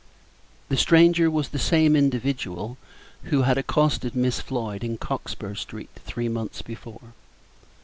The stranger was the same individual who had accosted Miss Floyd in Cockspur street three months before.